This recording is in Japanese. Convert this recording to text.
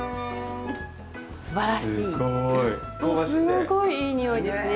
すごいいい匂いですね。